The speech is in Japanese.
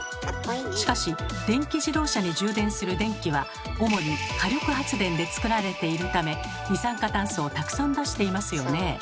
しかし電気自動車に充電する電気は主に火力発電で作られているため二酸化炭素をたくさん出していますよねえ。